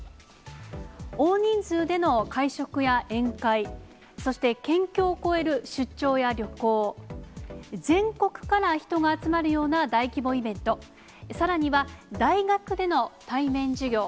大人数での会食や宴会、そして県境を越える出張や旅行、全国から人が集まるような大規模イベント、さらには大学での対面授業。